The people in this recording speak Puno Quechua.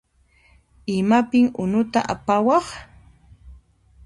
Imapin unuta apawaq?